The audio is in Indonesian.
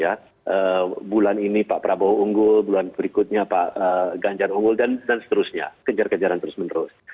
ya bulan ini pak prabowo unggul bulan berikutnya pak ganjar unggul dan seterusnya kejar kejaran terus menerus